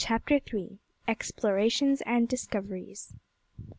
CHAPTER THREE. EXPLORATIONS AND DISCOVERIES.